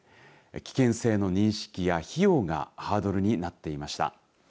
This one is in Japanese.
危険性の認識や費用がハードルになっていました。